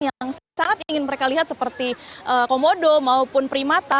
yang sangat ingin mereka lihat seperti komodo maupun primata